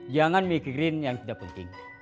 jangan mikirin yang tidak penting